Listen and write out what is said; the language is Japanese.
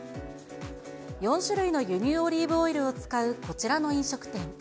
４種類の輸入オリーブオイルを使うこちらの飲食店。